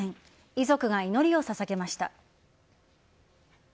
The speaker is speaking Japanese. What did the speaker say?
遺族が祈りを捧げました。